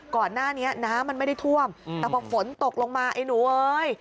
ก่อนหน้านี้น้ำมันไม่ได้ท่วมแต่พอฝนตกลงมาไอ้หนูเอ้ย